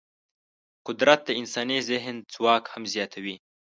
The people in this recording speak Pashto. قدرت د انساني ذهن ځواک هم زیاتوي.